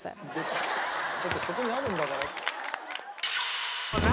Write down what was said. だってそこにあるんだから。